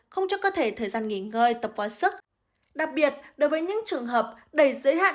không cho cơ thể thời gian nghỉ ngơi tập quá sức đặc biệt đối với những trường hợp đầy giới hạn